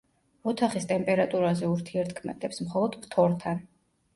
ოთახის ტემპერატურაზე ურთიერთქმედებს, მხოლოდ ფთორთან.